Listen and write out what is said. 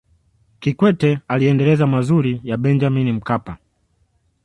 kikwete aliendeleza mazuri ya benjamini mkapa